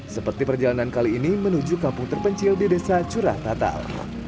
seperti perjalanan kali ini menuju kampung terpencil di desa curah natal